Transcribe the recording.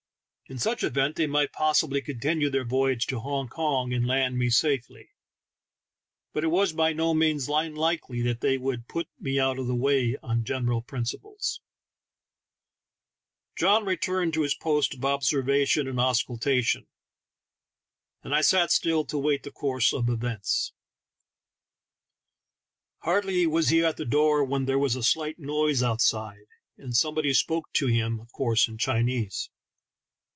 In such event they^might possibly continue their voy age to Hong Kong and land me safely ; but it was 24 THE TALKING HANDKERCHIEF. by no means unlikely that they would put me out of the way on general principles. John returned to his post of observation and auscultation, and I sat still to wait the course of events. Hardly was he at the door when there was a slight noise outside, and somebody spoke to him, of course in Chinese.